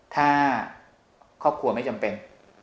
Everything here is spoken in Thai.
ถ้าครอบครัวไม่จำเป็น